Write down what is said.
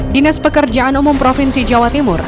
dinas pekerjaan umum provinsi jawa timur